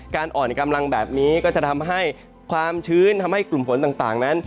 อ่อนกำลังแบบนี้ก็จะทำให้ความชื้นทำให้กลุ่มฝนต่างนั้น